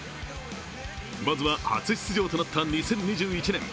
まずは初出場となった２０２１年。